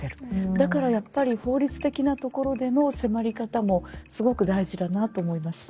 だからやっぱり法律的なところでの迫り方もすごく大事だなと思います。